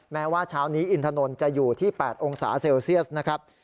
แม้ว่าเช้านี้อินถนนจะอยู่ที่๘องศาเซลเซียสนะครับ